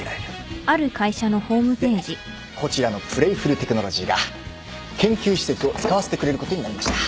でこちらのプレイフル・テクノロジーが研究施設を使わせてくれることになりました。